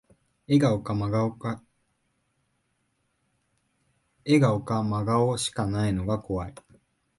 笑顔か真顔しかないのが怖い